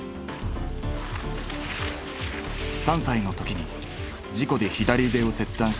３歳の時に事故で左腕を切断した新田。